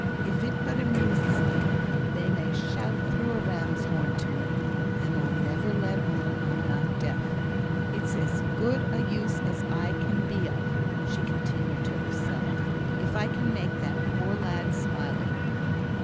if it but amuses thee, they may shout through a ram's horn to me, and I'll never let on I'm not deaf. It's as good a use as I can be of," she continued to herself, "if I can make that poor lad smile a bit."